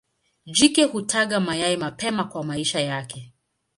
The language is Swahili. Jike hutaga mayai mapema kwa maisha yake.